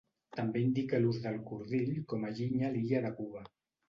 També indica l'ús del cordill com a llinya a l'illa de Cuba.